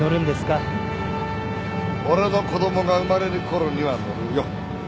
俺の子供が生まれるころには載るよ。